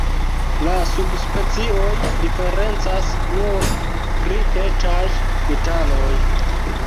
La subspecioj diferencas nur pri etaj detaloj.